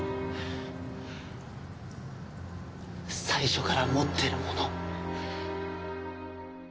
最初から持ってるもの。